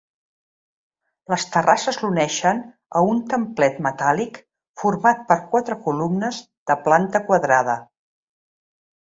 Les terrasses l'uneixen a un templet metàl·lic format per quatre columnes de planta quadrada.